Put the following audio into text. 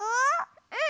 うん！